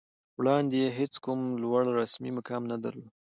وړاندې یې هېڅ کوم لوړ رسمي مقام نه درلود